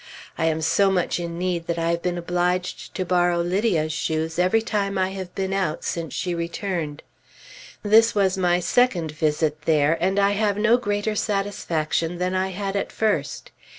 I am so much in need that I have been obliged to borrow Lydia's shoes every time I have been out since she returned. This was my second visit there, and I have no greater satisfaction than I had at first.